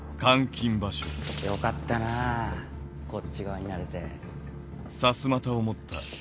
よかったなぁこっち側になれて。